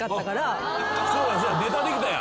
そうやそうやネタできたやん。